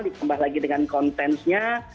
dikembang lagi dengan kontennya